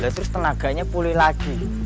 terus tenaganya pulih lagi